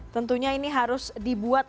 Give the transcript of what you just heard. tentunya ini harus dibuat